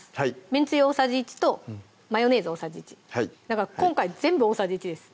めんつゆ大さじ１とマヨネーズ大さじ１だから今回全部大さじ１です